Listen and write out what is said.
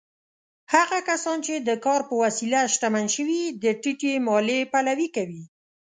هغه کسان چې د کار په وسیله شتمن شوي، د ټیټې مالیې پلوي دي.